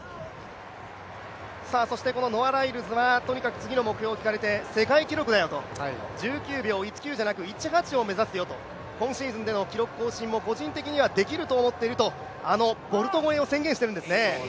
このノア・ライルズはとにかく次の目標聞かれて世界記録だよと、１９秒１９じゃなく１８を目指すよと、今シーズンでの記録更新も個人的にはできると思っていると、あのボルト超えを宣言しているんですね。